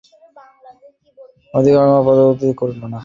বিশেষ সাবধান, যেন অপরের ক্ষুদ্রতম অধিকারও পদদলিত করিও না।